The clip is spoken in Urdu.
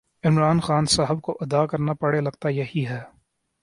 عمران خان صاحب کو ادا کرنا پڑے لگتا یہی ہے